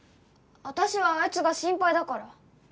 私はあいつが心配だから。